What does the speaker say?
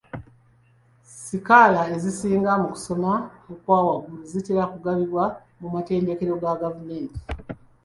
Sikaala ezisinga mu kusoma okwa waggulu zitera kugabibwa mu matendekero ga gavumenti.